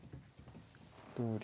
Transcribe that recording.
同竜